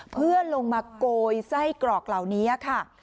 เพื่อลงมาโกยไส้กรอกเหล่านี้ค่ะ